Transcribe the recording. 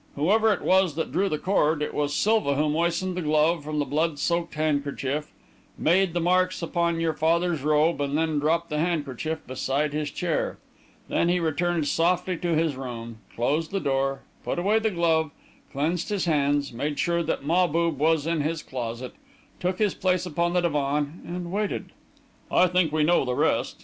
"Whoever it was that drew the cord, it was Silva who moistened the glove from the blood soaked handkerchief, made the marks upon your father's robe, and then dropped the handkerchief beside his chair. Then he returned softly to his room, closed the door, put away the glove, cleansed his hands, made sure that Mahbub was in his closet, took his place upon the divan, and waited. I think we know the rest.